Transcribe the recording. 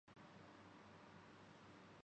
سولہ سال قید میں گزر گئے جرم ثابت نہیں ہوا